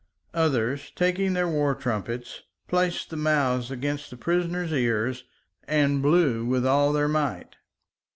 Others, taking their war trumpets, placed the mouths against the prisoner's ears and blew with all their might.